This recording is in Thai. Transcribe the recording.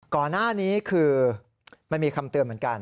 ก่อนหน้านี้คือมันมีคำเตือนเหมือนกัน